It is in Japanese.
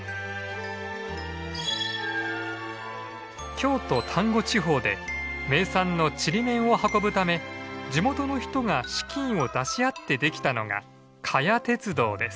京都丹後地方で名産のちりめんを運ぶため地元の人が資金を出し合ってできたのが加悦鉄道です。